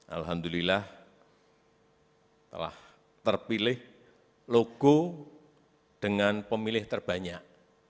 alhamdulillah telah terpilih logo dengan pemilih terbanyak